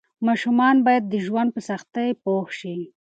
ماشومان باید د ژوند په سختۍ پوه شي.